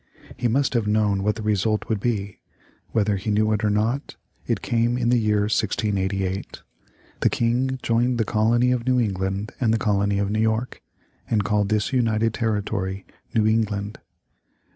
He must have known what the result would be. Whether he knew it or not, it came in the year 1688. The King joined the colony of New England and the colony of New York, and called this united territory New England.